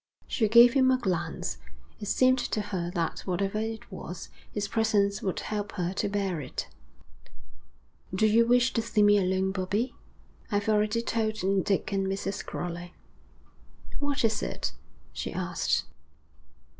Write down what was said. She gave him a glance. It seemed to her that whatever it was, his presence would help her to bear it. 'Do you wish to see me alone, Bobbie?' 'I've already told Dick and Mrs. Crowley.' 'What is it?' she asked.